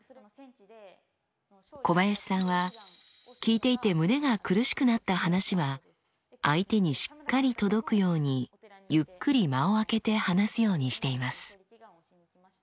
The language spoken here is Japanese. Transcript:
小林さんは聞いていて胸が苦しくなった話は相手にしっかり届くようにゆっくり間をあけて話すようにしています。